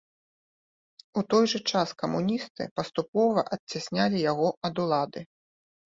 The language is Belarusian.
У той жа час камуністы паступова адцяснялі яго ад улады.